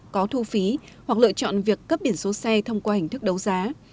có thu phí hoặc lựa chọn việc cấp biển số xe thông qua hình thức đấu giá